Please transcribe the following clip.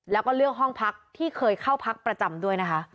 แล้วก็เลือกห้องพักที่เคยเข้าพักประจำด้วยนะคะ